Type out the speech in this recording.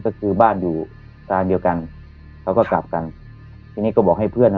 ก็คือบ้านอยู่ทางเดียวกันเขาก็กลับกันทีนี้ก็บอกให้เพื่อน